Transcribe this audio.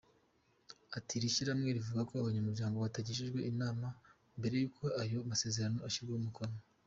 Iri shyirahamwe rivuga ko abanyamuryango batagishijwe inama mbere yuko ayo masezerano ashyirwaho umukono.